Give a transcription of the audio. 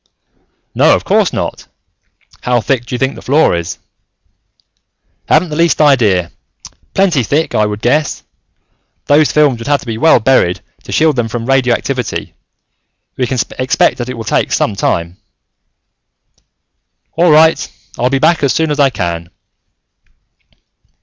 "No, of course not. How thick do you think the floor is?" "Haven't the least idea. Plenty thick, I would guess. Those films would have to be well buried, to shield them from radioactivity. We can expect that it will take some time." "All right. I'll be back as soon as I can."